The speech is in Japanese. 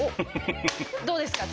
どうですか？